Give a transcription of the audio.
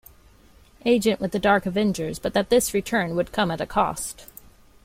Agent with the Dark Avengers but that this return would 'come at a cost.